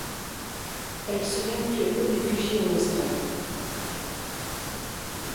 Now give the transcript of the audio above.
Elle serait actuellement réfugiée en Australie.